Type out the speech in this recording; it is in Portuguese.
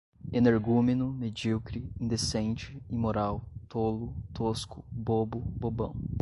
Energúmeno, medíocre, indecente, imoral, tolo, tosco, bobo, bobão